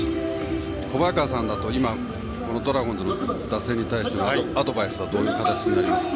小早川さんだと今、ドラゴンズの打線に対してのアドバイスはどういう形になりますか？